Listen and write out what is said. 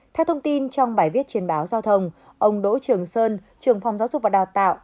theo thông tin trong bài viết trên báo giao thông ông đỗ trường sơn trường phòng giáo dục và đào tạo